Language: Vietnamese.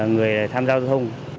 người tham giao giao thông